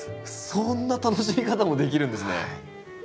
そんな楽しみ方もできるんですね。